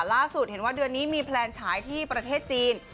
ล่าสุดเห็นว่าเดือนนี้มีแพลนฉายที่ประเทศจีน